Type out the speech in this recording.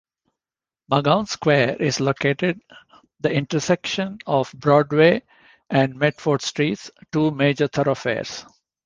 Magoun Square is located the intersection of Broadway and Medford Streets, two major thoroughfares.